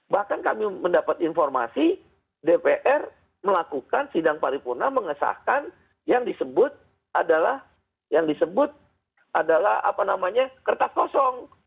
bahkan kami mendapat informasi dpr melakukan sidang paripurna mengesahkan yang disebut adalah kertas kosong